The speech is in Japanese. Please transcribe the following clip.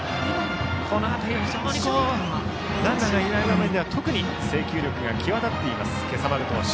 この辺りは非常にランナーがいない場面では制球力が際立っています、今朝丸投手。